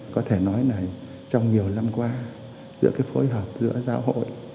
có thể nói là trong nhiều năm qua giữa cái phối hợp giữa giáo hội